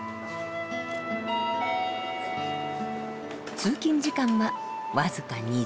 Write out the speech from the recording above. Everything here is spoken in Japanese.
通勤時間は僅か２０秒。